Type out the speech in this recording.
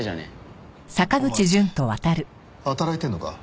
お前働いてるのか？